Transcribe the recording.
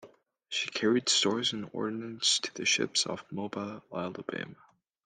She carried stores and ordnance to the ships off Mobile, Alabama.